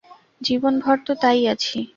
জীবনভর তো তাই আছি।